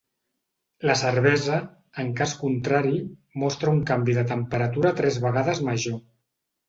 La cervesa, en cas contrari, mostra un canvi de temperatura tres vegades major.